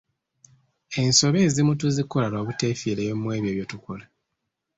Ensobi ezimu tuzikola lwa buteefiirayo mu bye tukola.